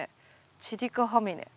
チリカハミネ。